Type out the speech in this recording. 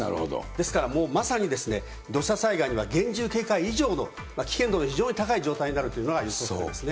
ですからもうまさに土砂災害には厳重警戒以上の危険度が非常に高い状態になるということが予想されますね。